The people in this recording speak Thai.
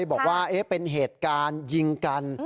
บอกว่าเป็นเหตุการณ์ยิงกัน